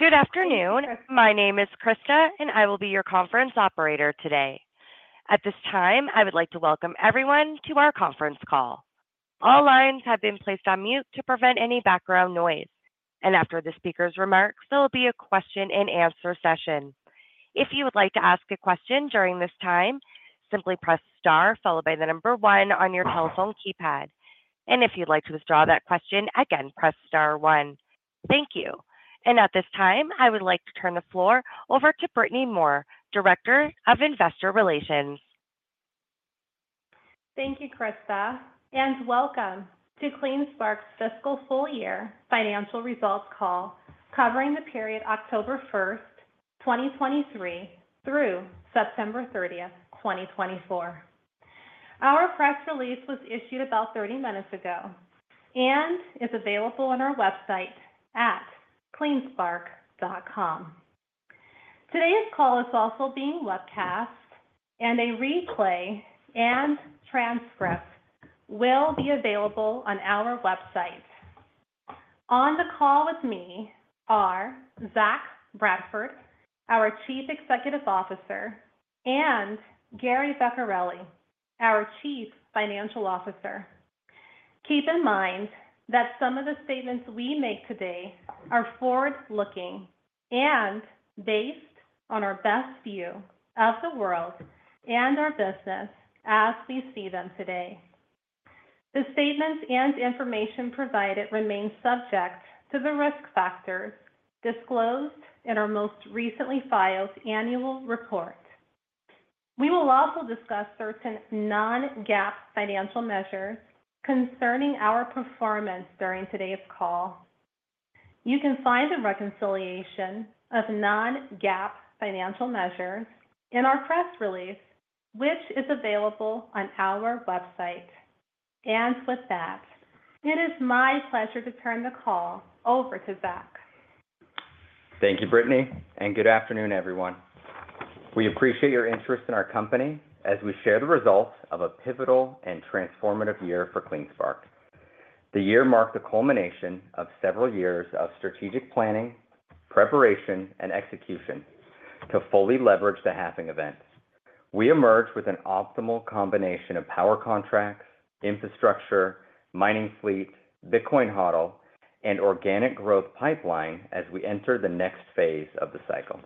Good afternoon. My name is Krista, and I will be your conference operator today. At this time, I would like to welcome everyone to our conference call. All lines have been placed on mute to prevent any background noise. After the speaker's remarks, there will be a question-and-answer session. If you would like to ask a question during this time, simply press star followed by the number one on your telephone keypad. If you'd like to withdraw that question, again, press star one. Thank you. At this time, I would like to turn the floor over to Brittany Moore, Director of Investor Relations. Thank you, Krista. And welcome to CleanSpark's fiscal full-year financial results call covering the period October 1st, 2023, through September 30th, 2024. Our press release was issued about 30 minutes ago and is available on our website at CleanSpark.com. Today's call is also being webcast, and a replay and transcript will be available on our website. On the call with me are Zach Bradford, our Chief Executive Officer, and Gary Vecchiarelli, our Chief Financial Officer. Keep in mind that some of the statements we make today are forward-looking and based on our best view of the world and our business as we see them today. The statements and information provided remain subject to the risk factors disclosed in our most recently filed annual report. We will also discuss certain non-GAAP financial measures concerning our performance during today's call. You can find the reconciliation of non-GAAP financial measures in our press release, which is available on our website. And with that, it is my pleasure to turn the call over to Zach. Thank you, Brittany, and good afternoon, everyone. We appreciate your interest in our company as we share the results of a pivotal and transformative year for CleanSpark. The year marked the culmination of several years of strategic planning, preparation, and execution to fully leverage the halving event. We emerged with an optimal combination of power contracts, infrastructure, mining fleet, Bitcoin HODL, and organic growth pipeline as we entered the next phase of the cycle.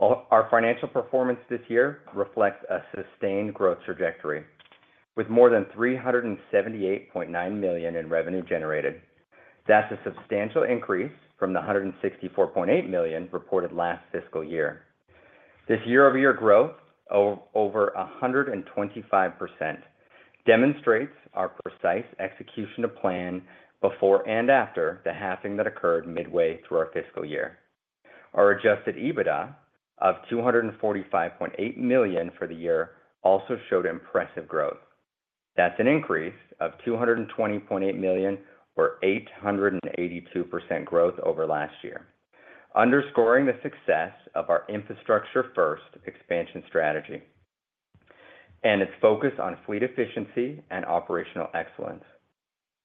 Our financial performance this year reflects a sustained growth trajectory with more than $378.9 million in revenue generated. That's a substantial increase from the $164.8 million reported last fiscal year. This year-over-year growth of over 125% demonstrates our precise execution of plan before and after the halving that occurred midway through our fiscal year. Our adjusted EBITDA of $245.8 million for the year also showed impressive growth. That's an increase of $220.8 million, or 882% growth over last year, underscoring the success of our Infrastructure First expansion strategy and its focus on fleet efficiency and operational excellence.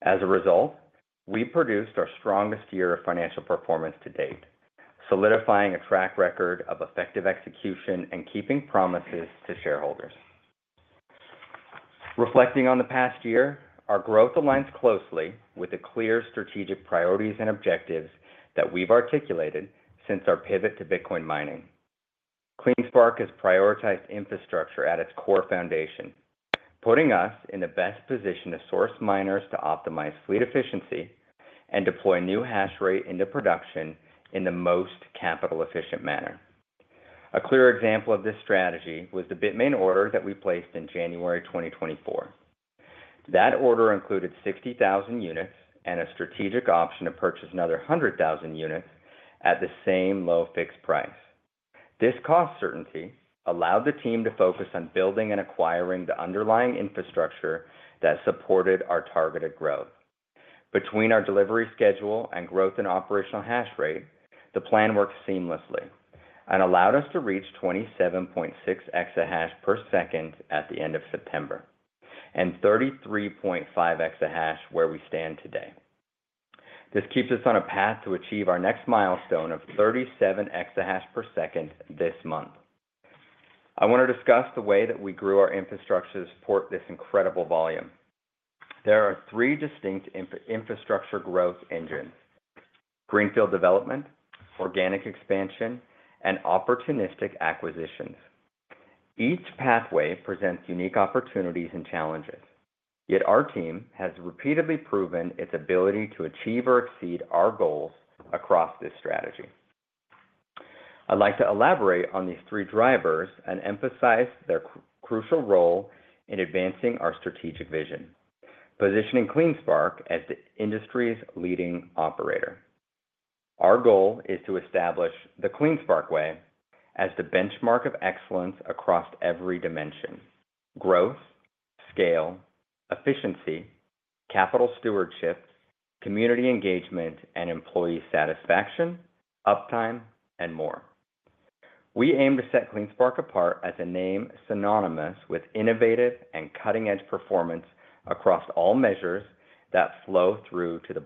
As a result, we produced our strongest year of financial performance to date, solidifying a track record of effective execution and keeping promises to shareholders. Reflecting on the past year, our growth aligns closely with the clear strategic priorities and objectives that we've articulated since our pivot to Bitcoin mining. CleanSpark has prioritized infrastructure at its core foundation, putting us in the best position to source miners to optimize fleet efficiency and deploy new hash rate into production in the most capital-efficient manner. A clear example of this strategy was the BITMAIN order that we placed in January 2024. That order included 60,000 units and a strategic option to purchase another 100,000 units at the same low fixed price. This cost certainty allowed the team to focus on building and acquiring the underlying infrastructure that supported our targeted growth. Between our delivery schedule and growth in operational hash rate, the plan worked seamlessly and allowed us to reach 27.6 EH/s at the end of September and 33.5 exahash where we stand today. This keeps us on a path to achieve our next milestone of 37 EH/s this month. I want to discuss the way that we grew our infrastructure to support this incredible volume. There are three distinct infrastructure growth engines: greenfield development, organic expansion, and opportunistic acquisitions. Each pathway presents unique opportunities and challenges, yet our team has repeatedly proven its ability to achieve or exceed our goals across this strategy. I'd like to elaborate on these three drivers and emphasize their crucial role in advancing our strategic vision, positioning CleanSpark as the industry's leading operator. Our goal is to establish the CleanSpark Way as the benchmark of excellence across every dimension: growth, scale, efficiency, capital stewardship, community engagement, and employee satisfaction, uptime, and more. We aim to set CleanSpark apart as a name synonymous with innovative and cutting-edge performance across all measures that flow through to the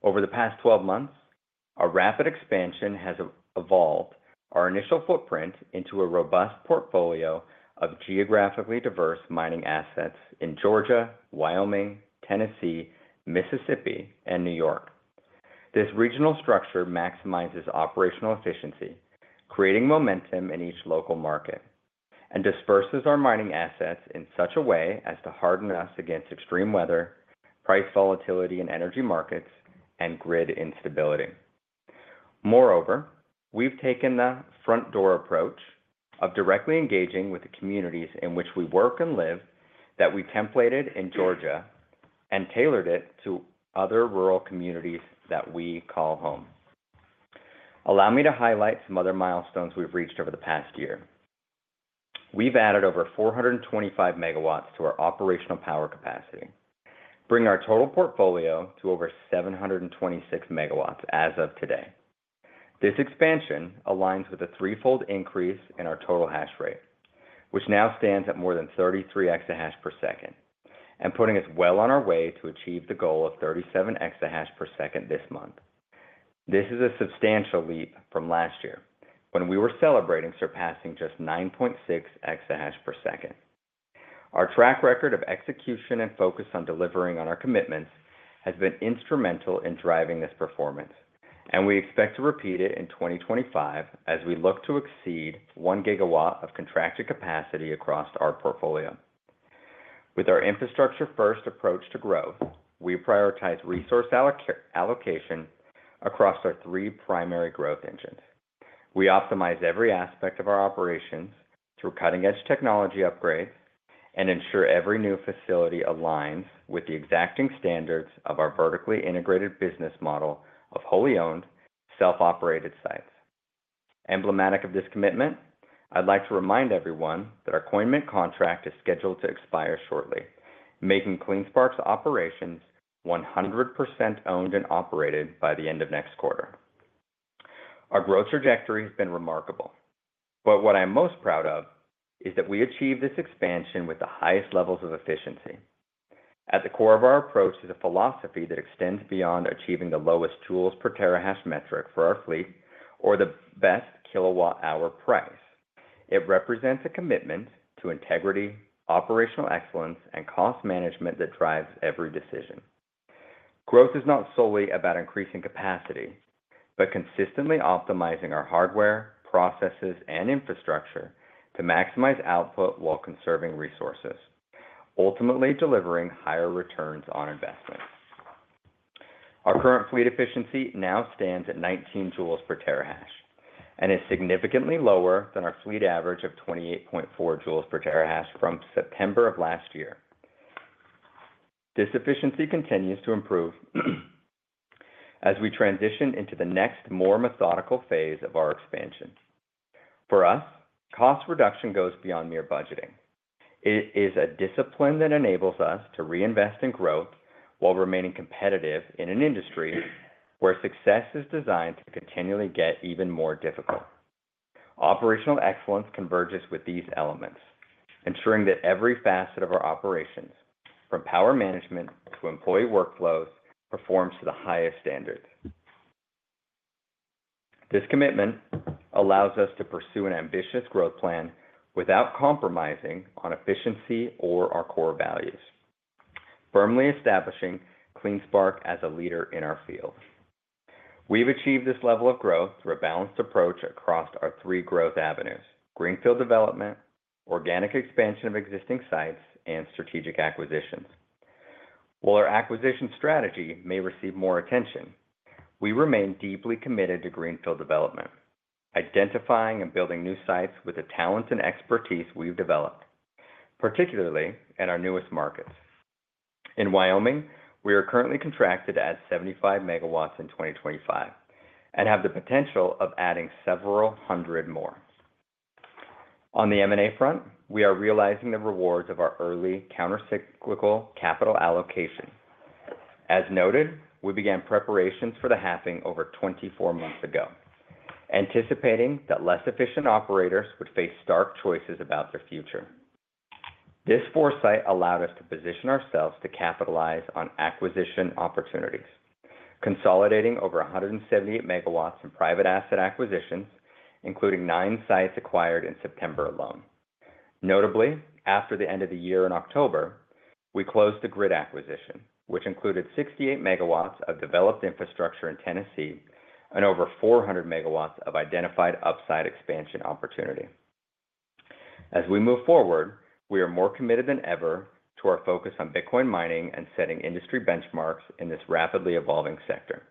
bottom line. Over the past 12 months, our rapid expansion has evolved our initial footprint into a robust portfolio of geographically diverse mining assets in Georgia, Wyoming, Tennessee, Mississippi, and New York. This regional structure maximizes operational efficiency, creating momentum in each local market, and disperses our mining assets in such a way as to harden us against extreme weather, price volatility in energy markets, and GRIID instability. Moreover, we've taken the front-door approach of directly engaging with the communities in which we work and live that we templated in Georgia and tailored it to other rural communities that we call home. Allow me to highlight some other milestones we've reached over the past year. We've added over 425 MW to our operational power capacity, bringing our total portfolio to over 726 MW as of today. This expansion aligns with a threefold increase in our total hash rate, which now stands at more than 33 EH/s, and putting us well on our way to achieve the goal of 37 EH/s this month. This is a substantial leap from last year when we were celebrating surpassing just 9.6 EH/s. Our track record of execution and focus on delivering on our commitments has been instrumental in driving this performance, and we expect to repeat it in 2025 as we look to exceed 1 GW of contracted capacity across our portfolio. With our Infrastructure First approach to growth, we prioritize resource allocation across our three primary growth engines. We optimize every aspect of our operations through cutting-edge technology upgrades and ensure every new facility aligns with the exacting standards of our vertically integrated business model of wholly owned, self-operated sites. Emblematic of this commitment, I'd like to remind everyone that our Coinmint contract is scheduled to expire shortly, making CleanSpark's operations 100% owned and operated by the end of next quarter. Our growth trajectory has been remarkable, but what I'm most proud of is that we achieved this expansion with the highest levels of efficiency. At the core of our approach is a philosophy that extends beyond achieving the lowest joules per terahash metric for our fleet or the best kilowatt-hour price. It represents a commitment to integrity, operational excellence, and cost management that drives every decision. Growth is not solely about increasing capacity, but consistently optimizing our hardware, processes, and infrastructure to maximize output while conserving resources, ultimately delivering higher returns on investment. Our current fleet efficiency now stands at 19 joules per terahash and is significantly lower than our fleet average of 28.4 joules per terahash from September of last year. This efficiency continues to improve as we transition into the next more methodical phase of our expansion. For us, cost reduction goes beyond mere budgeting. It is a discipline that enables us to reinvest in growth while remaining competitive in an industry where success is designed to continually get even more difficult. Operational excellence converges with these elements, ensuring that every facet of our operations, from power management to employee workflows, performs to the highest standards. This commitment allows us to pursue an ambitious growth plan without compromising on efficiency or our core values, firmly establishing CleanSpark as a leader in our field. We've achieved this level of growth through a balanced approach across our three growth avenues: greenfield development, organic expansion of existing sites, and strategic acquisitions. While our acquisition strategy may receive more attention, we remain deeply committed to greenfield development, identifying and building new sites with the talents and expertise we've developed, particularly in our newest markets. In Wyoming, we are currently contracted at 75 MW in 2025 and have the potential of adding several hundred more. On the M&A front, we are realizing the rewards of our early countercyclical capital allocation. As noted, we began preparations for the halving over 24 months ago, anticipating that less efficient operators would face stark choices about their future. This foresight allowed us to position ourselves to capitalize on acquisition opportunities, consolidating over 178 MW in private asset acquisitions, including nine sites acquired in September alone. Notably, after the end of the year in October, we closed the GRIID acquisition, which included 68 MW of developed infrastructure in Tennessee and over 400 MW of identified upside expansion opportunity. As we move forward, we are more committed than ever to our focus on Bitcoin mining and setting industry benchmarks in this rapidly evolving sector.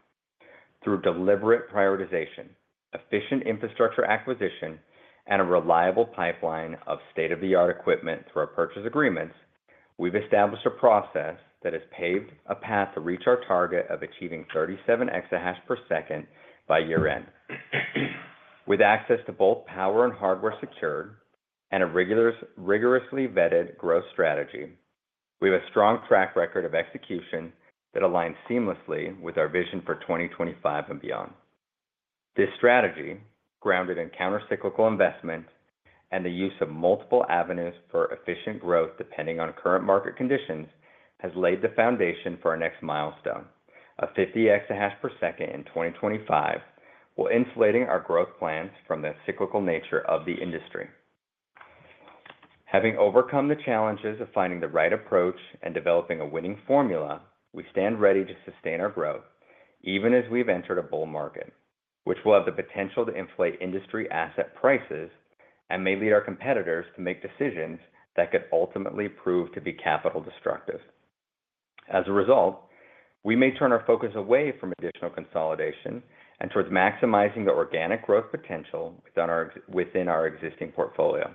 Through deliberate prioritization, efficient infrastructure acquisition, and a reliable pipeline of state-of-the-art equipment through our purchase agreements, we've established a process that has paved a path to reach our target of achieving 37 EH/s by year-end. With access to both power and hardware secured and a rigorously vetted growth strategy, we have a strong track record of execution that aligns seamlessly with our vision for 2025 and beyond. This strategy, grounded in countercyclical investment and the use of multiple avenues for efficient growth depending on current market conditions, has laid the foundation for our next milestone, a 50 EH/s in 2025, while insulating our growth plans from the cyclical nature of the industry. Having overcome the challenges of finding the right approach and developing a winning formula, we stand ready to sustain our growth even as we've entered a bull market, which will have the potential to inflate industry asset prices and may lead our competitors to make decisions that could ultimately prove to be capital destructive. As a result, we may turn our focus away from additional consolidation and towards maximizing the organic growth potential within our existing portfolio,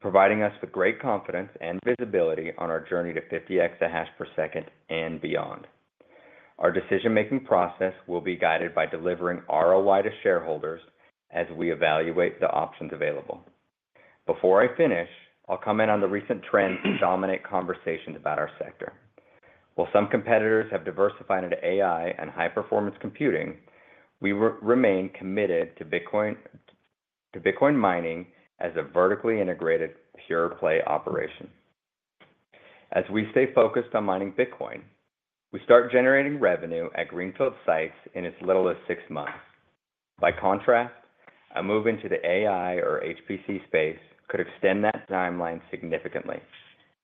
providing us with great confidence and visibility on our journey to 50 EH/s and beyond. Our decision-making process will be guided by delivering ROI to shareholders as we evaluate the options available. Before I finish, I'll comment on the recent trends that dominate conversations about our sector. While some competitors have diversified into AI and high-performance computing, we remain committed to Bitcoin mining as a vertically integrated pure-play operation. As we stay focused on mining Bitcoin, we start generating revenue at greenfield sites in as little as six months. By contrast, a move into the AI or HPC space could extend that timeline significantly,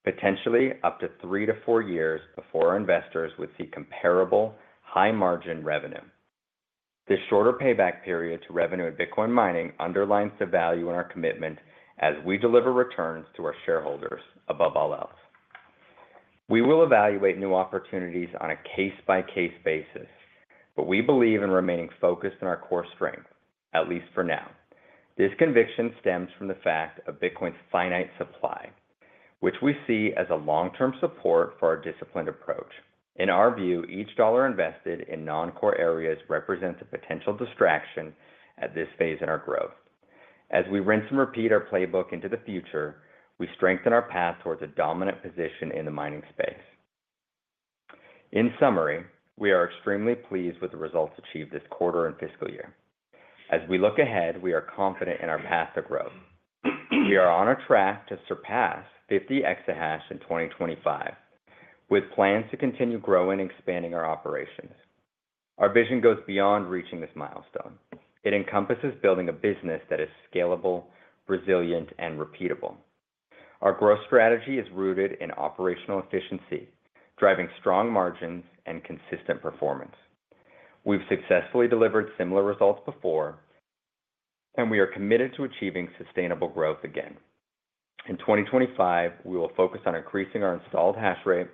potentially up to three to four years before our investors would see comparable high-margin revenue. This shorter payback period to revenue in Bitcoin mining underlines the value in our commitment as we deliver returns to our shareholders above all else. We will evaluate new opportunities on a case-by-case basis, but we believe in remaining focused on our core strength, at least for now. This conviction stems from the fact of Bitcoin's finite supply, which we see as a long-term support for our disciplined approach. In our view, each dollar invested in non-core areas represents a potential distraction at this phase in our growth. As we rinse and repeat our playbook into the future, we strengthen our path towards a dominant position in the mining space. In summary, we are extremely pleased with the results achieved this quarter and fiscal year. As we look ahead, we are confident in our path to growth. We are on a track to surpass 50 exahash in 2025 with plans to continue growing and expanding our operations. Our vision goes beyond reaching this milestone. It encompasses building a business that is scalable, resilient, and repeatable. Our growth strategy is rooted in operational efficiency, driving strong margins and consistent performance. We've successfully delivered similar results before, and we are committed to achieving sustainable growth again. In 2025, we will focus on increasing our installed hash rate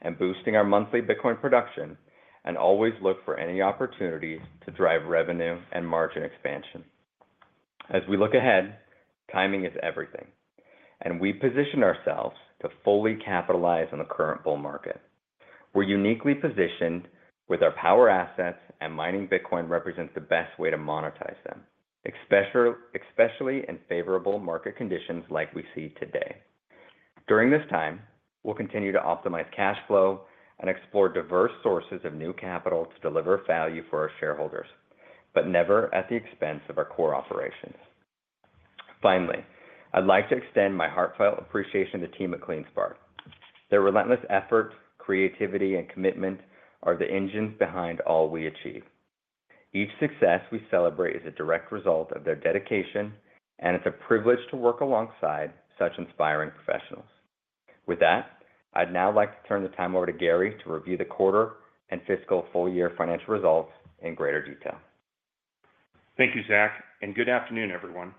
and boosting our monthly Bitcoin production and always look for any opportunities to drive revenue and margin expansion. As we look ahead, timing is everything, and we position ourselves to fully capitalize on the current bull market. We're uniquely positioned with our power assets, and mining Bitcoin represents the best way to monetize them, especially in favorable market conditions like we see today. During this time, we'll continue to optimize cash flow and explore diverse sources of new capital to deliver value for our shareholders, but never at the expense of our core operations. Finally, I'd like to extend my heartfelt appreciation to the team at CleanSpark. Their relentless efforts, creativity, and commitment are the engines behind all we achieve. Each success we celebrate is a direct result of their dedication, and it's a privilege to work alongside such inspiring professionals. With that, I'd now like to turn the time over to Gary to review the quarter and fiscal full-year financial results in greater detail. Thank you, Zach, and good afternoon, everyone.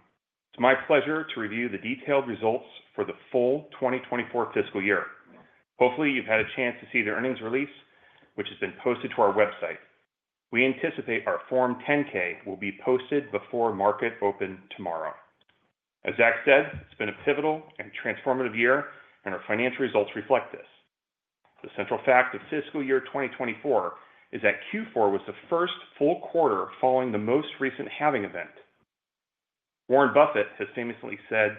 It's my pleasure to review the detailed results for the full 2024 fiscal year. Hopefully, you've had a chance to see the earnings release, which has been posted to our website. We anticipate our Form 10-K will be posted before market open tomorrow. As Zach said, it's been a pivotal and transformative year, and our financial results reflect this. The central fact of fiscal year 2024 is that Q4 was the first full quarter following the most recent halving event. Warren Buffett has famously said,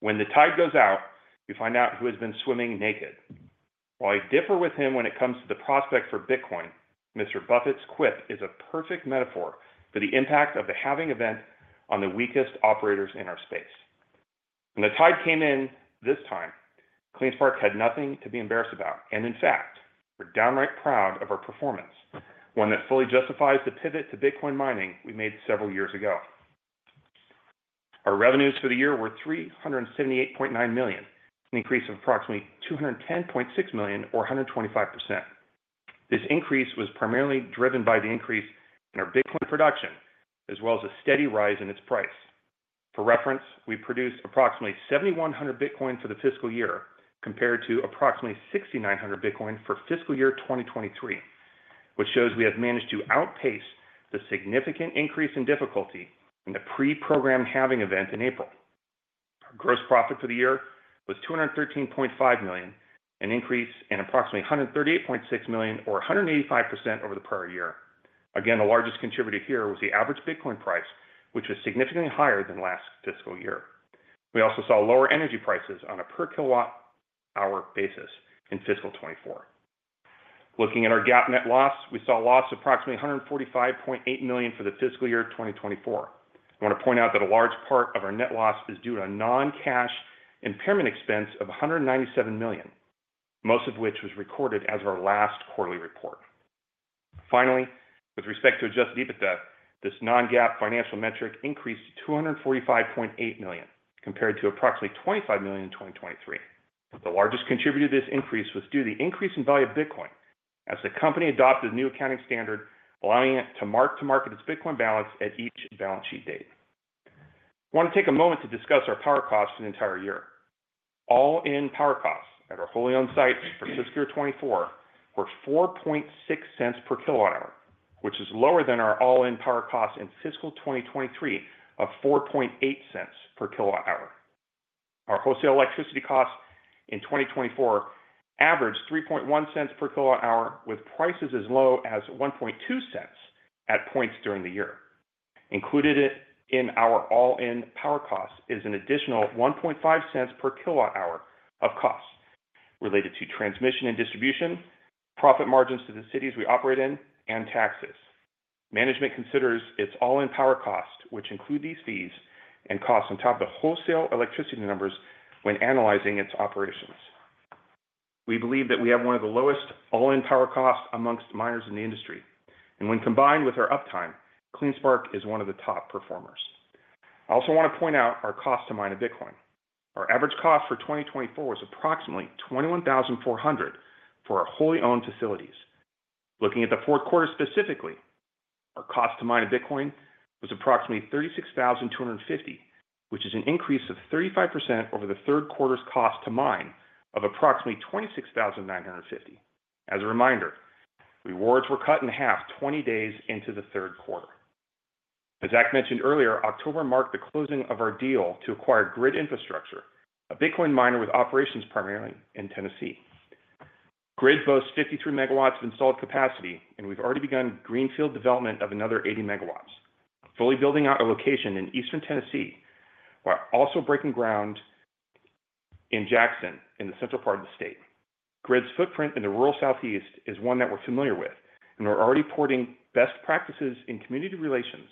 "When the tide goes out, you find out who has been swimming naked." While I differ with him when it comes to the prospect for Bitcoin, Mr. Buffett's quip is a perfect metaphor for the impact of the halving event on the weakest operators in our space. When the tide came in this time, CleanSpark had nothing to be embarrassed about, and in fact, we're downright proud of our performance, one that fully justifies the pivot to Bitcoin mining we made several years ago. Our revenues for the year were $378.9 million, an increase of approximately $210.6 million, or 125%. This increase was primarily driven by the increase in our Bitcoin production, as well as a steady rise in its price. For reference, we produced approximately 7,100 Bitcoin for the fiscal year, compared to approximately 6,900 Bitcoin for fiscal year 2023, which shows we have managed to outpace the significant increase in difficulty in the pre-programmed halving event in April. Our gross profit for the year was $213.5 million, an increase in approximately $138.6 million, or 185% over the prior year. Again, the largest contributor here was the average Bitcoin price, which was significantly higher than last fiscal year. We also saw lower energy prices on a per kilowatt-hour basis in fiscal 2024. Looking at our GAAP net loss, we saw loss of approximately $145.8 million for the fiscal year 2024. I want to point out that a large part of our net loss is due to a non-cash impairment expense of $197 million, most of which was recorded as our last quarterly report. Finally, with respect to adjusted EBITDA, this non-GAAP financial metric increased to $245.8 million, compared to approximately $25 million in 2023. The largest contributor to this increase was due to the increase in value of Bitcoin, as the company adopted a new accounting standard, allowing it to mark to market its Bitcoin balance at each balance sheet date. I want to take a moment to discuss our power costs for the entire year. All-in power costs at our wholly owned site for fiscal year 2024 were $0.046 per kilowatt-hour, which is lower than our all-in power costs in fiscal 2023 of $0.048 per kilowatt-hour. Our wholesale electricity costs in 2024 averaged $0.031 per kilowatt-hour, with prices as low as $0.012 at points during the year. Included in our all-in power costs is an additional $0.015 per kilowatt-hour of costs related to transmission and distribution, profit margins to the cities we operate in, and taxes. Management considers its all-in power costs, which include these fees, and costs on top of the wholesale electricity numbers when analyzing its operations. We believe that we have one of the lowest all-in power costs among miners in the industry, and when combined with our uptime, CleanSpark is one of the top performers. I also want to point out our cost to mine of Bitcoin. Our average cost for 2024 was approximately $21,400 for our wholly owned facilities. Looking at the fourth quarter specifically, our cost to mine of Bitcoin was approximately $36,250, which is an increase of 35% over the third quarter's cost to mine of approximately $26,950. As a reminder, rewards were cut in half 20 days into the third quarter. As Zach mentioned earlier, October marked the closing of our deal to acquire GRIID Infrastructure, a Bitcoin miner with operations primarily in Tennessee. GRIID boasts 53 MW of installed capacity, and we've already begun greenfield development of another 80 megawatts, fully building out a location in Eastern Tennessee while also breaking ground in Jackson in the central part of the state. GRIID's footprint in the rural southeast is one that we're familiar with, and we're already porting best practices in community relations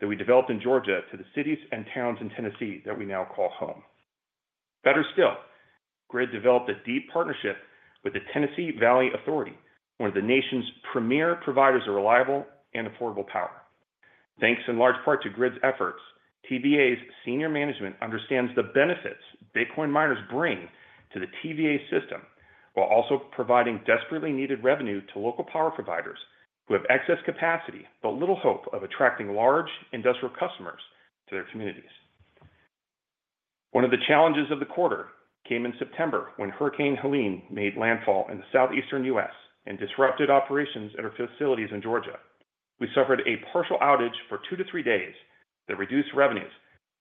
that we developed in Georgia to the cities and towns in Tennessee that we now call home. Better still, GRIID developed a deep partnership with the Tennessee Valley Authority, one of the nation's premier providers of reliable and affordable power. Thanks in large part to GRIID's efforts, TVA's senior management understands the benefits Bitcoin miners bring to the TVA system while also providing desperately needed revenue to local power providers who have excess capacity but little hope of attracting large industrial customers to their communities. One of the challenges of the quarter came in September when Hurricane Helene made landfall in the southeastern U.S. and disrupted operations at our facilities in Georgia. We suffered a partial outage for two to three days that reduced revenues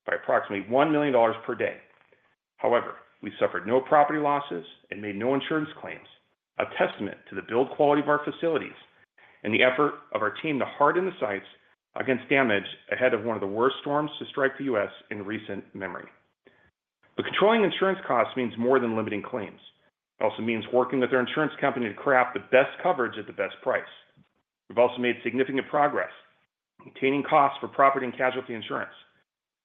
by approximately $1 million per day. However, we suffered no property losses and made no insurance claims, a testament to the build quality of our facilities and the effort of our team to harden the sites against damage ahead of one of the worst storms to strike the U.S. in recent memory. But controlling insurance costs means more than limiting claims. It also means working with our insurance company to craft the best coverage at the best price. We've also made significant progress in maintaining costs for property and casualty insurance.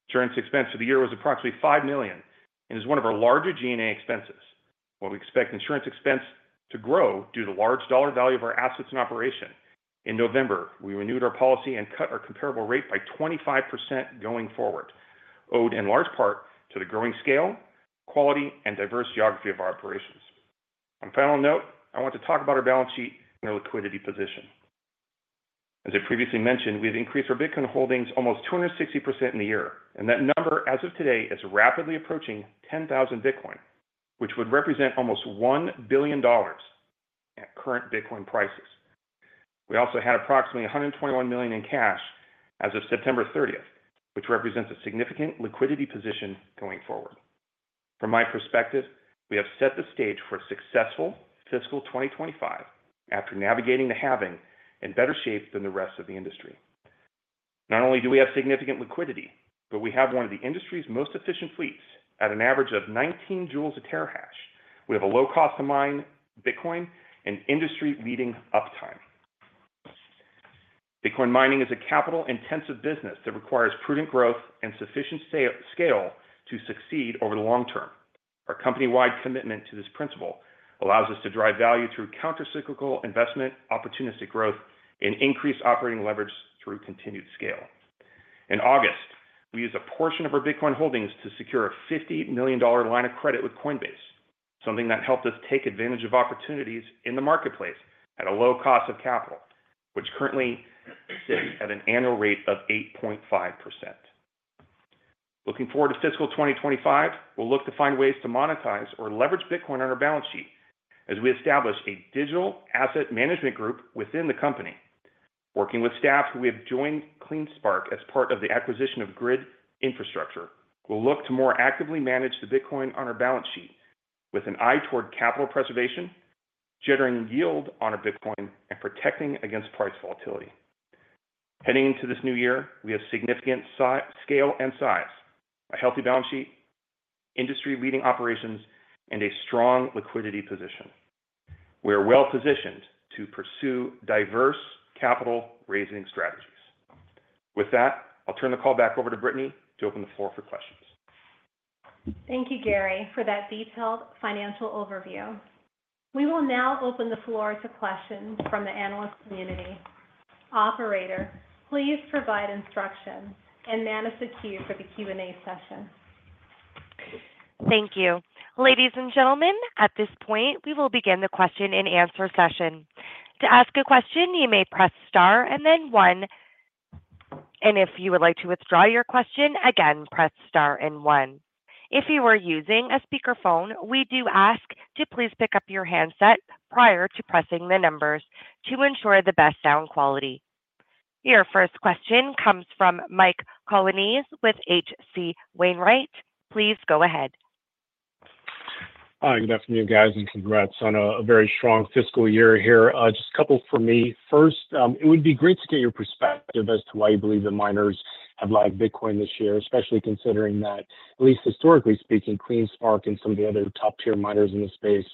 Insurance expense for the year was approximately $5 million and is one of our larger G&A expenses, while we expect insurance expense to grow due to the large dollar value of our assets in operation. In November, we renewed our policy and cut our comparable rate by 25% going forward, due in large part to the growing scale, quality, and diverse geography of our operations. On a final note, I want to talk about our balance sheet and our liquidity position. As I previously mentioned, we have increased our Bitcoin holdings almost 260% in the year, and that number as of today is rapidly approaching 10,000 Bitcoin, which would represent almost $1 billion at current Bitcoin prices. We also had approximately $121 million in cash as of September 30th, which represents a significant liquidity position going forward. From my perspective, we have set the stage for a successful fiscal 2025 after navigating the halving in better shape than the rest of the industry. Not only do we have significant liquidity, but we have one of the industry's most efficient fleets. At an average of 19 joules per terahash, we have a low cost to mine Bitcoin and industry-leading uptime. Bitcoin mining is a capital-intensive business that requires prudent growth and sufficient scale to succeed over the long term. Our company-wide commitment to this principle allows us to drive value through countercyclical investment, opportunistic growth, and increased operating leverage through continued scale. In August, we used a portion of our Bitcoin holdings to secure a $50 million line of credit with Coinbase, something that helped us take advantage of opportunities in the marketplace at a low cost of capital, which currently sits at an annual rate of 8.5%. Looking forward to fiscal 2025, we'll look to find ways to monetize or leverage Bitcoin on our balance sheet as we establish a digital asset management group within the company. Working with staff who have joined CleanSpark as part of the acquisition of GRIID Infrastructure, we'll look to more actively manage the Bitcoin on our balance sheet with an eye toward capital preservation, generating yield on our Bitcoin, and protecting against price volatility. Heading into this new year, we have significant scale and size, a healthy balance sheet, industry-leading operations, and a strong liquidity position. We are well positioned to pursue diverse capital-raising strategies. With that, I'll turn the call back over to Brittany to open the floor for questions. Thank you, Gary, for that detailed financial overview. We will now open the floor to questions from the analyst community. Operator, please provide instructions and manage the queue for the Q&A session. Thank you. Ladies and gentlemen, at this point, we will begin the question-and-answer session. To ask a question, you may press star and then one. If you would like to withdraw your question, again, press star and one. If you are using a speakerphone, we do ask to please pick up your handset prior to pressing the numbers to ensure the best sound quality. Your first question comes from Mike Colonnese with H.C. Wainwright. Please go ahead. Hi, good afternoon, guys, and congrats on a very strong fiscal year here. Just a couple for me. First, it would be great to get your perspective as to why you believe the miners have lagged Bitcoin this year, especially considering that, at least historically speaking, CleanSpark and some of the other top-tier miners in the space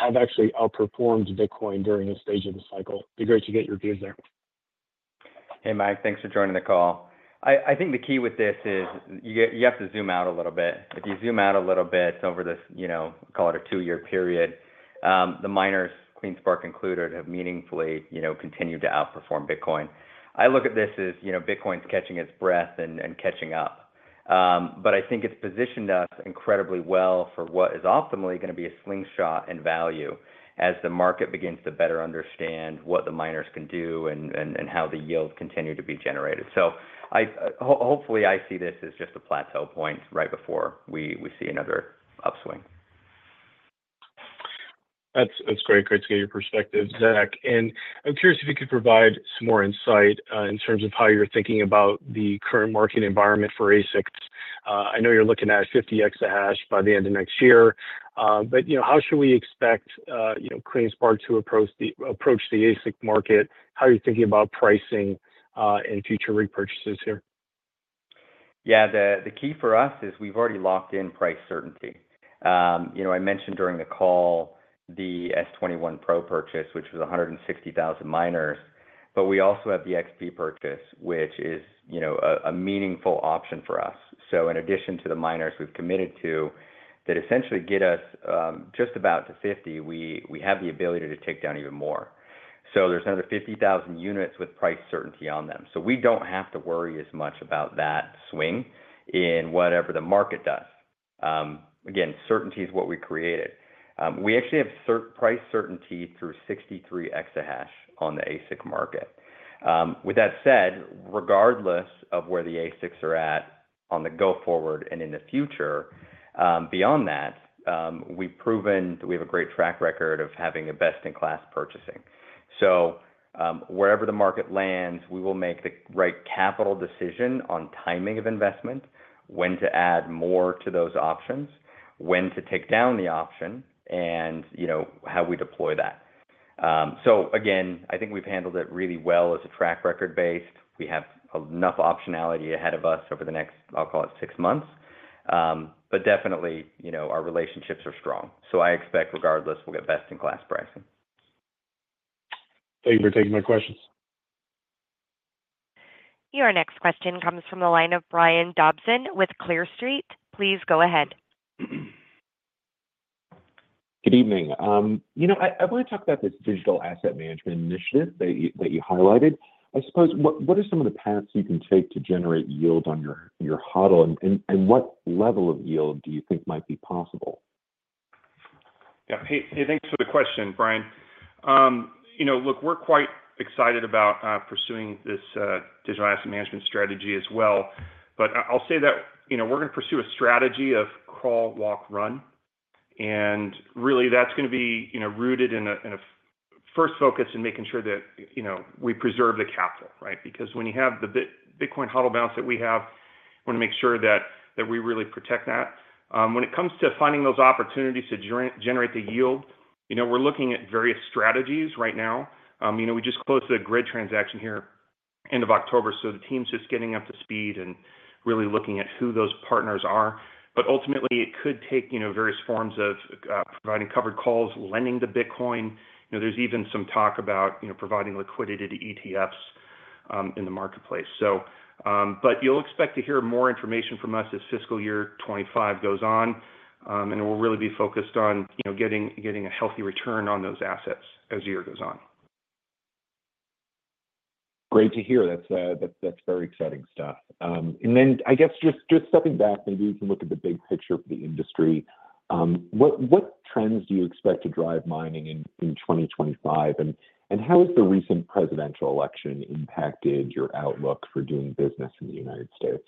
have actually outperformed Bitcoin during this stage of the cycle. It'd be great to get your views there. Hey, Mike, thanks for joining the call. I think the key with this is you have to zoom out a little bit. If you zoom out a little bit over this, you know, call it a two-year period, the miners, CleanSpark included, have meaningfully continued to outperform Bitcoin. I look at this as Bitcoin's catching its breath and catching up. But I think it's positioned us incredibly well for what is optimally going to be a slingshot in value as the market begins to better understand what the miners can do and how the yields continue to be generated. So hopefully, I see this as just a plateau point right before we see another upswing. That's great. Great to get your perspective, Zach. And I'm curious if you could provide some more insight in terms of how you're thinking about the current market environment for ASICs. I know you're looking at 50 exahash by the end of next year. But how should we expect CleanSpark to approach the ASIC market? How are you thinking about pricing and future repurchases here? Yeah, the key for us is we've already locked in price certainty. You know, I mentioned during the call the S21 Pro purchase, which was 160,000 miners. But we also have the XP purchase, which is a meaningful option for us. So in addition to the miners we've committed to that essentially get us just about to 50, we have the ability to take down even more. So there's another 50,000 units with price certainty on them. So we don't have to worry as much about that swing in whatever the market does. Again, certainty is what we created. We actually have price certainty through 63 exahash on the ASIC market. With that said, regardless of where the ASICs are at on the go forward and in the future, beyond that, we've proven that we have a great track record of having a best-in-class purchasing. So wherever the market lands, we will make the right capital decision on timing of investment, when to add more to those options, when to take down the option, and how we deploy that. So again, I think we've handled it really well as a track record based. We have enough optionality ahead of us over the next, I'll call it, six months. But definitely, our relationships are strong. So I expect, regardless, we'll get best-in-class pricing. Thank you for taking my questions. Your next question comes from the line of Brian Dobson with Clear Street. Please go ahead. Good evening. You know, I want to talk about this digital asset management initiative that you highlighted. I suppose, what are some of the paths you can take to generate yield on your HODL, and what level of yield do you think might be possible? Yeah, hey, thanks for the question, Brian. You know, look, we're quite excited about pursuing this digital asset management strategy as well. But I'll say that we're going to pursue a strategy of crawl, walk, run. And really, that's going to be rooted in a first focus in making sure that we preserve the capital, right? Because when you have the Bitcoin HODL balance that we have, we want to make sure that we really protect that. When it comes to finding those opportunities to generate the yield, you know, we're looking at various strategies right now. You know, we just closed the GRIID transaction here at the end of October, so the team's just getting up to speed and really looking at who those partners are. But ultimately, it could take various forms of providing covered calls, lending to Bitcoin. You know, there's even some talk about providing liquidity to ETFs in the marketplace. But you'll expect to hear more information from us as fiscal year 2025 goes on. And we'll really be focused on getting a healthy return on those assets as the year goes on. Great to hear. That's very exciting stuff. And then, I guess, just stepping back, maybe we can look at the big picture for the industry. What trends do you expect to drive mining in 2025? And how has the recent presidential election impacted your outlook for doing business in the United States?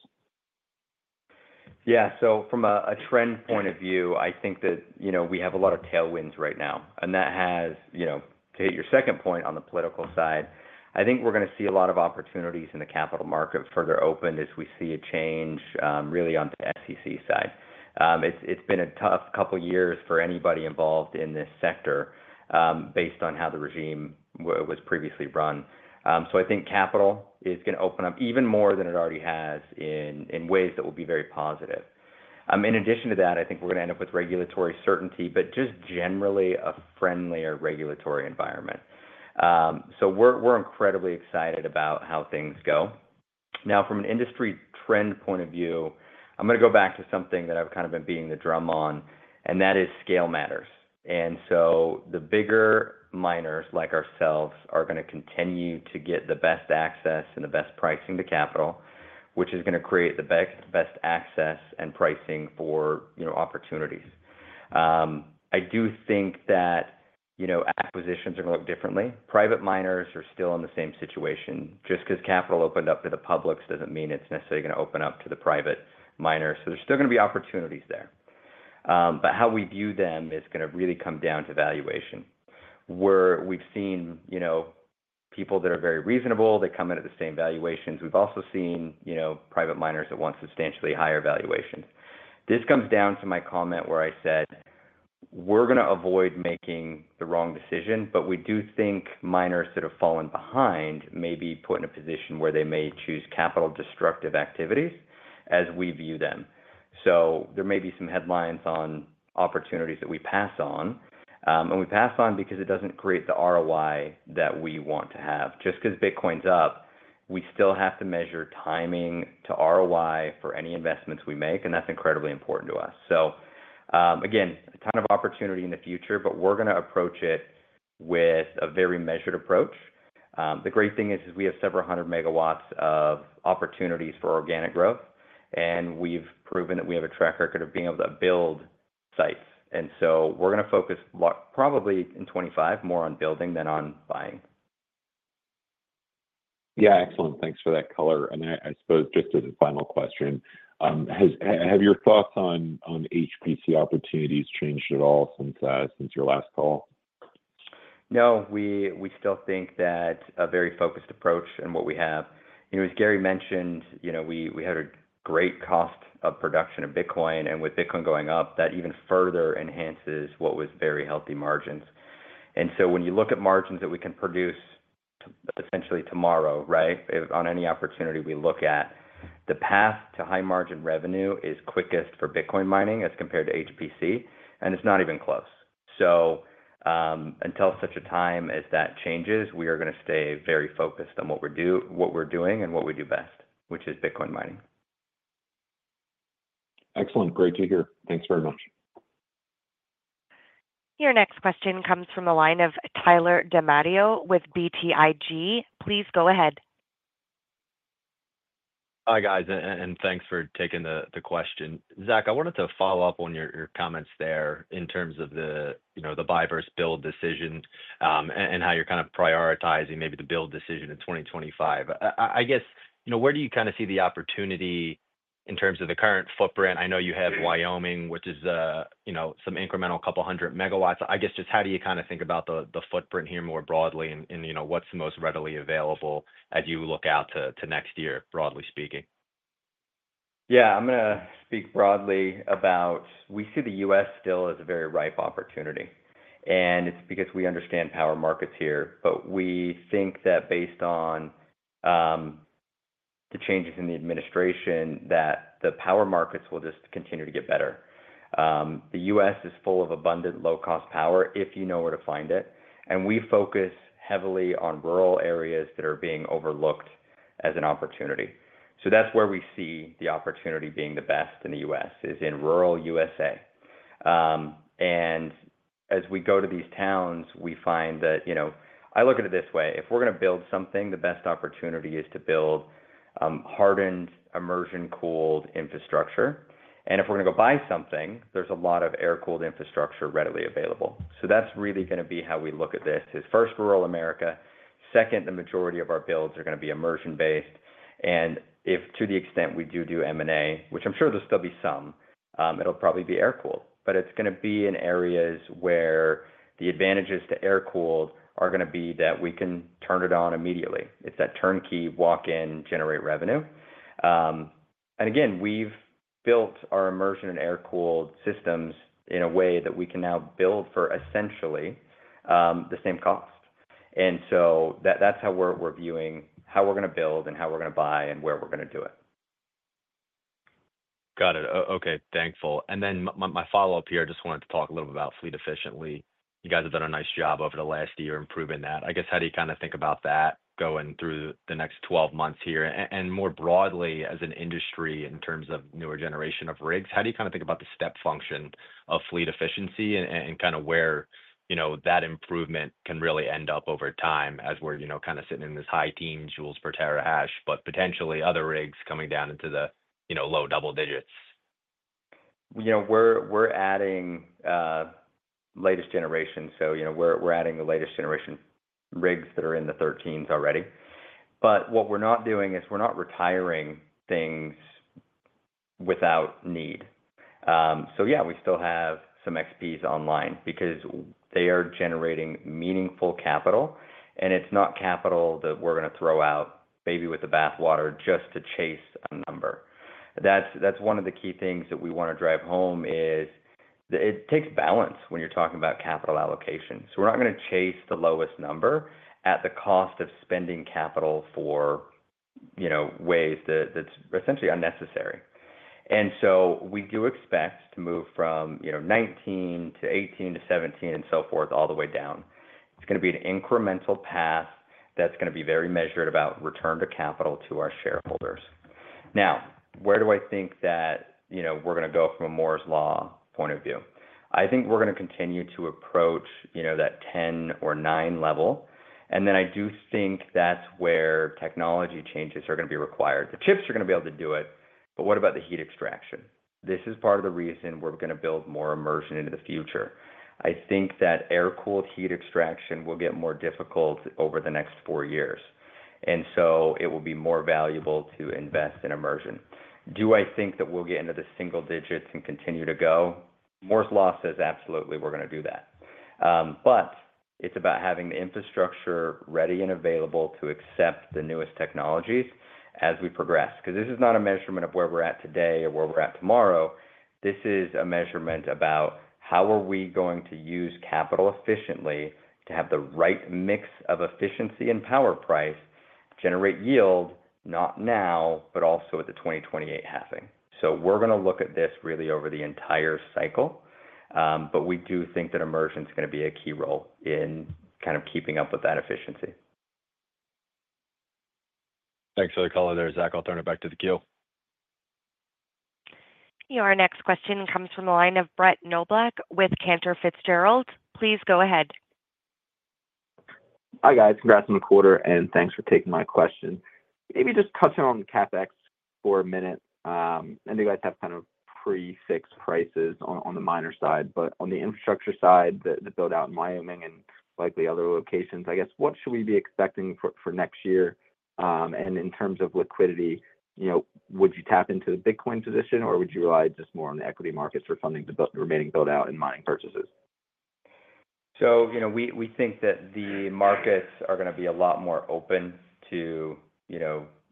Yeah, so from a trend point of view, I think that we have a lot of tailwinds right now. And that has, you know, to hit your second point on the political side, I think we're going to see a lot of opportunities in the capital market further open as we see a change really on the SEC side. It's been a tough couple of years for anybody involved in this sector based on how the regime was previously run. So I think capital is going to open up even more than it already has in ways that will be very positive. In addition to that, I think we're going to end up with regulatory certainty, but just generally a friendlier regulatory environment. So we're incredibly excited about how things go. Now, from an industry trend point of view, I'm going to go back to something that I've kind of been beating the drum on, and that is scale matters. And so the bigger miners like ourselves are going to continue to get the best access and the best pricing to capital, which is going to create the best access and pricing for opportunities. I do think that acquisitions are going to look differently. Private miners are still in the same situation. Just because capital opened up to the public doesn't mean it's necessarily going to open up to the private miners. So there's still going to be opportunities there. But how we view them is going to really come down to valuation. Where we've seen people that are very reasonable, they come in at the same valuations. We've also seen private miners that want substantially higher valuations. This comes down to my comment where I said, we're going to avoid making the wrong decision, but we do think miners that have fallen behind may be put in a position where they may choose capital-destructive activities as we view them. So there may be some headlines on opportunities that we pass on, and we pass on because it doesn't create the ROI that we want to have. Just because Bitcoin's up, we still have to measure timing to ROI for any investments we make, and that's incredibly important to us. So again, a ton of opportunity in the future, but we're going to approach it with a very measured approach. The great thing is we have several hundred megawatts of opportunities for organic growth, and we've proven that we have a track record of being able to build sites. So we're going to focus probably in 2025 more on building than on buying. Yeah, excellent. Thanks for that color. And I suppose just as a final question, have your thoughts on HPC opportunities changed at all since your last call? No, we still think that a very focused approach and what we have. As Gary mentioned, we had a great cost of production of Bitcoin, and with Bitcoin going up, that even further enhances what was very healthy margins. And so when you look at margins that we can produce potentially tomorrow, right, on any opportunity we look at, the path to high margin revenue is quickest for Bitcoin mining as compared to HPC, and it's not even close. So until such a time as that changes, we are going to stay very focused on what we're doing and what we do best, which is Bitcoin mining. Excellent. Great to hear. Thanks very much. Your next question comes from the line of Tyler DiMatteo with BTIG. Please go ahead. Hi, guys, and thanks for taking the question. Zach, I wanted to follow up on your comments there in terms of the buy versus build decision and how you're kind of prioritizing maybe the build decision in 2025. I guess, where do you kind of see the opportunity in terms of the current footprint? I know you have Wyoming, which is some incremental couple 100 MW. I guess just how do you kind of think about the footprint here more broadly and what's most readily available as you look out to next year, broadly speaking? Yeah, I'm going to speak broadly about we see the U.S. still as a very ripe opportunity. And it's because we understand power markets here. But we think that based on the changes in the administration, that the power markets will just continue to get better. The U.S. is full of abundant low-cost power if you know where to find it. And we focus heavily on rural areas that are being overlooked as an opportunity. So that's where we see the opportunity being the best in the U.S. is in rural USA. And as we go to these towns, we find that I look at it this way. If we're going to build something, the best opportunity is to build hardened immersion-cooled infrastructure. And if we're going to go buy something, there's a lot of air-cooled infrastructure readily available. So that's really going to be how we look at this is first, rural America. Second, the majority of our builds are going to be immersion-based. To the extent we do do M&A, which I'm sure there'll still be some, it'll probably be air-cooled. But it's going to be in areas where the advantages to air-cooled are going to be that we can turn it on immediately. It's that turnkey, walk-in, generate revenue. And again, we've built our immersion and air-cooled systems in a way that we can now build for essentially the same cost. And so that's how we're viewing how we're going to build and how we're going to buy and where we're going to do it. Got it. Okay, thanks. And then my follow-up here, I just wanted to talk a little bit about fleet efficiency. You guys have done a nice job over the last year improving that. I guess, how do you kind of think about that going through the next 12 months here? More broadly, as an industry in terms of newer generation of rigs, how do you kind of think about the step function of fleet efficiency and kind of where that improvement can really end up over time as we're kind of sitting in this high teens joules per terahash, but potentially other rigs coming down into the low double digits? You know, we're adding latest generation. So we're adding the latest generation rigs that are in the 13s already. But what we're not doing is we're not retiring things without need. So yeah, we still have some XPs online because they are generating meaningful capital. And it's not capital that we're going to throw out maybe with the bathwater just to chase a number. That's one of the key things that we want to drive home is it takes balance when you're talking about capital allocation. We're not going to chase the lowest number at the cost of spending capital for ways that's essentially unnecessary. We do expect to move from 19 to 18 to 17 and so forth all the way down. It's going to be an incremental path that's going to be very measured about return to capital to our shareholders. Now, where do I think that we're going to go from a Moore's Law point of view? I think we're going to continue to approach that 10 or nine level. Then I do think that's where technology changes are going to be required. The chips are going to be able to do it, but what about the heat extraction? This is part of the reason we're going to build more immersion into the future. I think that air-cooled heat extraction will get more difficult over the next four years. And so it will be more valuable to invest in immersion. Do I think that we'll get into the single digits and continue to go? Moore's Law says absolutely we're going to do that. But it's about having the infrastructure ready and available to accept the newest technologies as we progress. Because this is not a measurement of where we're at today or where we're at tomorrow. This is a measurement about how are we going to use capital efficiently to have the right mix of efficiency and power price generate yield, not now, but also at the 2028 halving. So we're going to look at this really over the entire cycle. But we do think that immersion is going to be a key role in kind of keeping up with that efficiency. Thanks for the call in there, Zach. I'll turn it back to the queue. Your next question comes from the line of Brett Knoblauch with Cantor Fitzgerald. Please go ahead. Hi, guys. Congrats on the quarter, and thanks for taking my question. Maybe just touch on CapEx for a minute. I know you guys have kind of pre-fixed prices on the miner side, but on the infrastructure side, the build-out in Wyoming and likely other locations, I guess, what should we be expecting for next year? And in terms of liquidity, would you tap into the Bitcoin position, or would you rely just more on the equity markets for funding the remaining build-out and mining purchases? So we think that the markets are going to be a lot more open to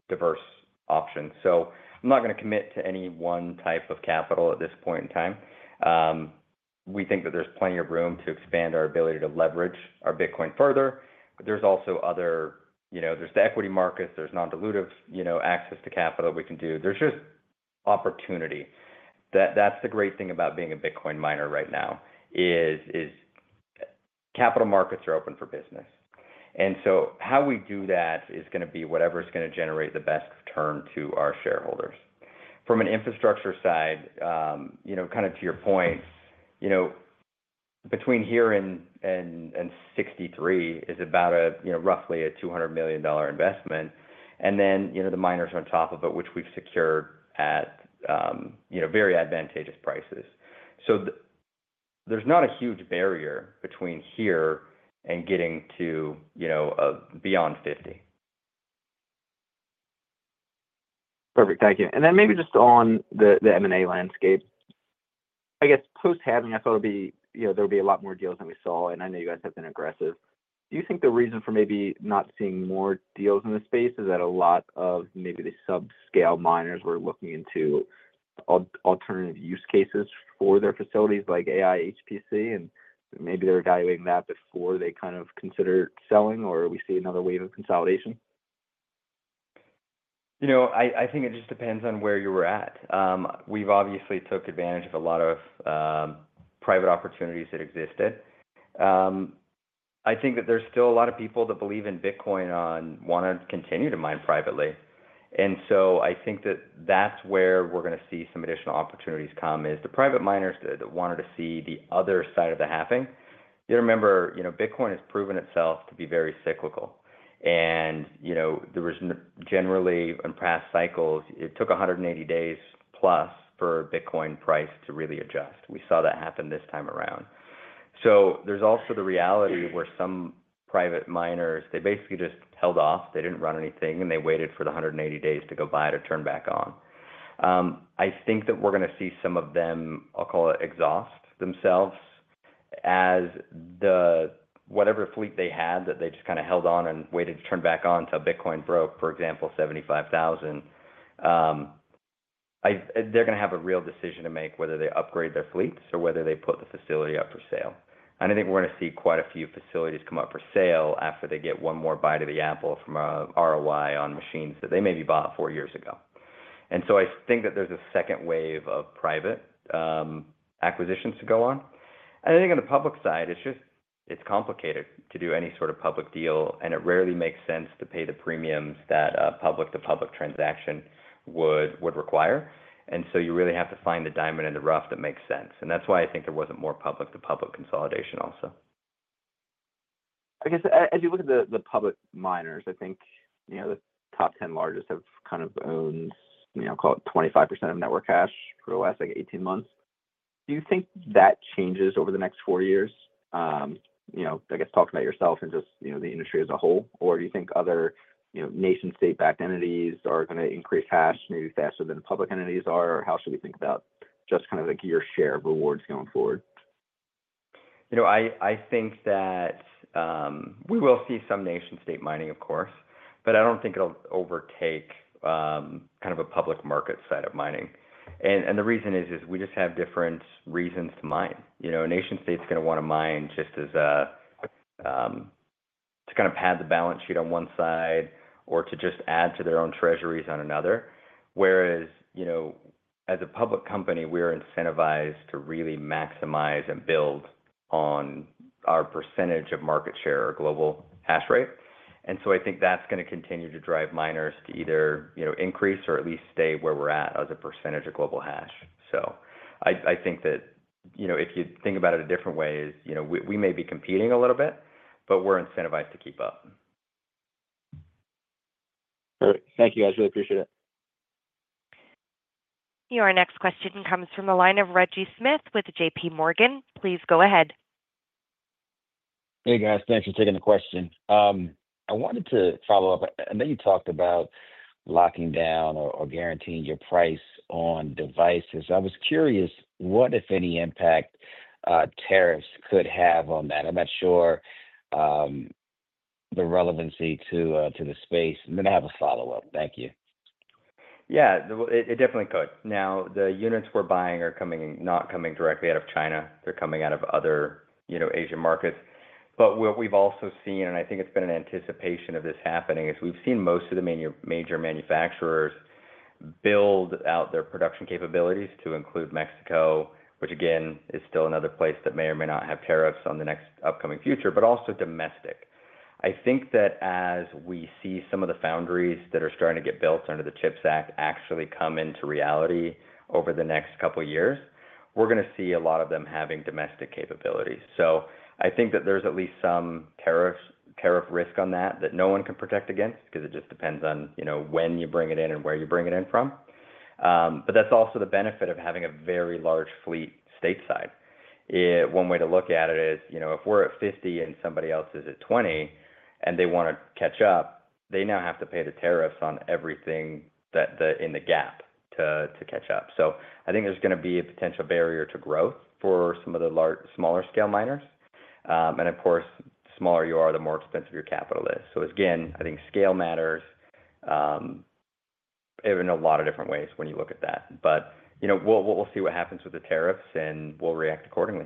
diverse options. So I'm not going to commit to any one type of capital at this point in time. We think that there's plenty of room to expand our ability to leverage our Bitcoin further. But there's also other, there's the equity markets, there's non-dilutive access to capital that we can do. There's just opportunity. That's the great thing about being a Bitcoin miner right now is capital markets are open for business. And so how we do that is going to be whatever's going to generate the best return to our shareholders. From an infrastructure side, kind of to your point, between here and 63 is about roughly a $200 million investment. And then the miners on top of it, which we've secured at very advantageous prices. So there's not a huge barrier between here and getting to beyond 50. Perfect. Thank you. And then maybe just on the M&A landscape, I guess post-halving, I thought there would be a lot more deals than we saw. I know you guys have been aggressive. Do you think the reason for maybe not seeing more deals in this space is that a lot of maybe the subscale miners were looking into alternative use cases for their facilities like AI, HPC, and maybe they're evaluating that before they kind of consider selling, or we see another wave of consolidation? I think it just depends on where you were at. We've obviously took advantage of a lot of private opportunities that existed. I think that there's still a lot of people that believe in Bitcoin and want to continue to mine privately. And so I think that that's where we're going to see some additional opportunities come is the private miners that wanted to see the other side of the halving. You remember Bitcoin has proven itself to be very cyclical. There was generally in past cycles it took 180 days plus for Bitcoin price to really adjust. We saw that happen this time around. There's also the reality where some private miners they basically just held off. They didn't run anything, and they waited for the 180 days to go buy it or turn back on. I think that we're going to see some of them. I'll call it exhaust themselves, as whatever fleet they had that they just kind of held on and waited to turn back on until Bitcoin broke, for example, 75,000. They're going to have a real decision to make whether they upgrade their fleets or whether they put the facility up for sale. I think we're going to see quite a few facilities come up for sale after they get one more bite of the apple from an ROI on machines that they maybe bought four years ago. I think that there's a second wave of private acquisitions to go on. I think on the public side, it's just complicated to do any sort of public deal, and it rarely makes sense to pay the premiums that public-to-public transaction would require. You really have to find the diamond in the rough that makes sense. That's why I think there wasn't more public-to-public consolidation also. I guess as you look at the public miners, I think the top 10 largest have kind of owned, I'll call it 25% of network hash for the last 18 months. Do you think that changes over the next four years? I guess talking about yourself and just the industry as a whole, or do you think other nation-state-backed entities are going to increase hash maybe faster than public entities are? Or how should we think about just kind of your share of rewards going forward? I think that we will see some nation-state mining, of course, but I don't think it'll overtake kind of a public market side of mining. And the reason is we just have different reasons to mine. A nation-state's going to want to mine just to kind of pad the balance sheet on one side or to just add to their own treasuries on another. Whereas as a public company, we are incentivized to really maximize and build on our percentage of market share or global hash rate. And so I think that's going to continue to drive miners to either increase or at least stay where we're at as a percentage of global hash. So I think that if you think about it a different way, we may be competing a little bit, but we're incentivized to keep up. All right. Thank you, guys. Really appreciate it. Your next question comes from the line of Reggie Smith with JPMorgan. Please go ahead. Hey, guys. Thanks for taking the question. I wanted to follow up. I know you talked about locking down or guaranteeing your price on devices. I was curious what, if any, impact tariffs could have on that. I'm not sure the relevancy to the space. And then I have a follow-up. Thank you. Yeah, it definitely could. Now, the units we're buying are not coming directly out of China. They're coming out of other Asian markets. But what we've also seen, and I think it's been an anticipation of this happening, is we've seen most of the major manufacturers build out their production capabilities to include Mexico, which again is still another place that may or may not have tariffs in the next upcoming future, but also domestic. I think that as we see some of the foundries that are starting to get built under the CHIPS Act actually come into reality over the next couple of years, we're going to see a lot of them having domestic capabilities. So I think that there's at least some tariff risk on that that no one can protect against because it just depends on when you bring it in and where you bring it in from. But that's also the benefit of having a very large fleet stateside. One way to look at it is if we're at 50 and somebody else is at 20 and they want to catch up, they now have to pay the tariffs on everything in the gap to catch up. So I think there's going to be a potential barrier to growth for some of the smaller-scale miners. And of course, the smaller you are, the more expensive your capital is. So again, I think scale matters in a lot of different ways when you look at that. But we'll see what happens with the tariffs, and we'll react accordingly.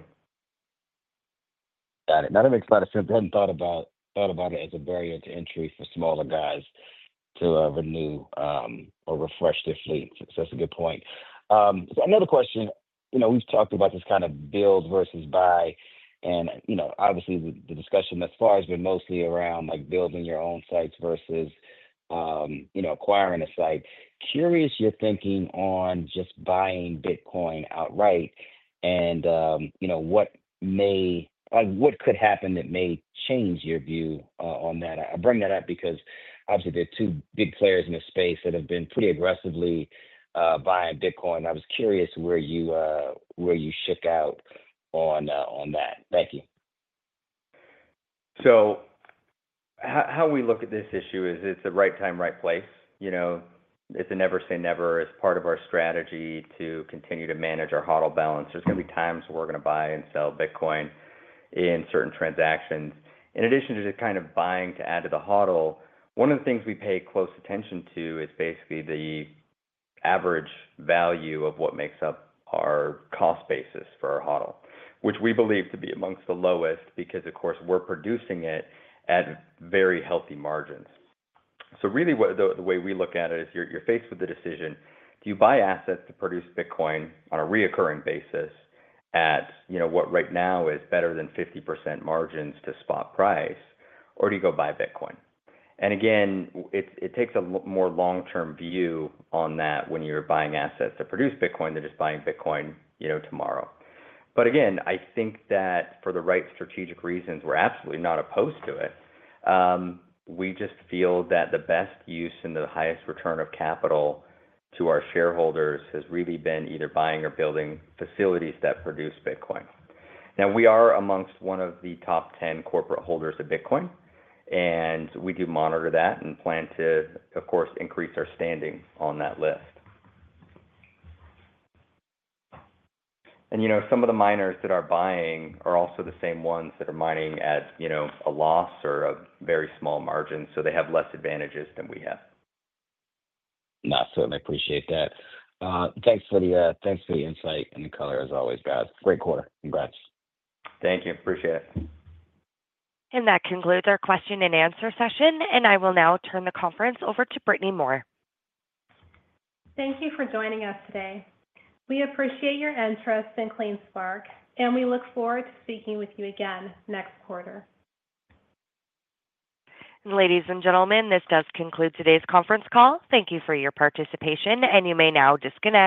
Got it. That makes a lot of sense. I hadn't thought about it as a barrier to entry for smaller guys to renew or refresh their fleets. So that's a good point. Another question. We've talked about this kind of build versus buy. And obviously, the discussion thus far has been mostly around building your own sites versus acquiring a site. Curious your thinking on just buying Bitcoin outright and what could happen that may change your view on that. I bring that up because obviously, there are two big players in this space that have been pretty aggressively buying Bitcoin. I was curious where you shook out on that. Thank you. So how we look at this issue is it's the right time, right place. It's a never say never as part of our strategy to continue to manage our HODL balance. There's going to be times where we're going to buy and sell Bitcoin in certain transactions. In addition to just kind of buying to add to the HODL, one of the things we pay close attention to is basically the average value of what makes up our cost basis for our HODL, which we believe to be among the lowest because, of course, we're producing it at very healthy margins. So really, the way we look at it is you're faced with the decision: do you buy assets to produce Bitcoin on a recurring basis at what right now is better than 50% margins to spot price, or do you go buy Bitcoin? And again, it takes a more long-term view on that when you're buying assets to produce Bitcoin than just buying Bitcoin tomorrow. But again, I think that for the right strategic reasons, we're absolutely not opposed to it. We just feel that the best use and the highest return of capital to our shareholders has really been either buying or building facilities that produce Bitcoin. Now, we are amongst one of the top 10 corporate holders of Bitcoin, and we do monitor that and plan to, of course, increase our standing on that list. And some of the miners that are buying are also the same ones that are mining at a loss or a very small margin, so they have less advantages than we have. No, certainly appreciate that. Thanks for the insight and the color as always, guys. Great quarter. Congrats. Thank you. Appreciate it. And that concludes our question-and-answer session, and I will now turn the conference over to Brittany Moore. Thank you for joining us today. We appreciate your interest in CleanSpark, and we look forward to speaking with you again next quarter. Ladies and gentlemen, this does conclude today's conference call. Thank you for your participation, and you may now disconnect.